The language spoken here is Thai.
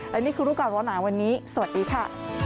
และนี่คือรูปการณ์หนาวันนี้สวัสดีค่ะ